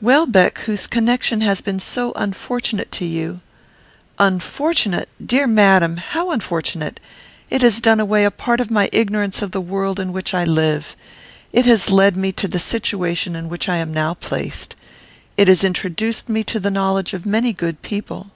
Welbeck, whose connection has been so unfortunate to you " "Unfortunate! Dear madam! How unfortunate? It has done away a part of my ignorance of the world in which I live. It has led me to the situation in which I am now placed. It has introduced me to the knowledge of many good people.